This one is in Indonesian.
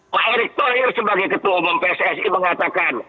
pak erick thohir sebagai ketua umum pssi mengatakan